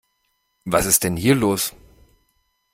Was ist denn hier los?